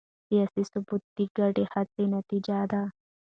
سیاسي ثبات د ګډې هڅې نتیجه ده